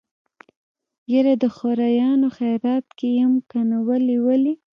يره د خوريانو خيرات کې يم کنه ولې ولې.